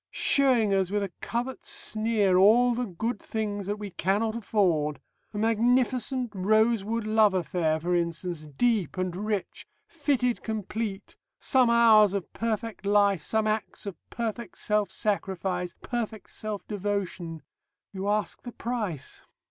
Showing us with a covert sneer all the good things that we cannot afford. A magnificent Rosewood love affair, for instance, deep and rich, fitted complete, some hours of perfect life, some acts of perfect self sacrifice, perfect self devotion.... You ask the price."